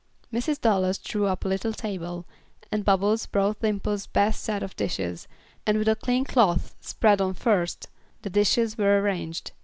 Mrs. Dallas drew up a little table, and Bubbles brought Dimple's best set of dishes, and with a clean cloth spread on first, the dishes were arranged.